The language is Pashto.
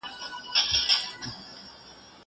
زه پرون سبزېجات تياروم وم!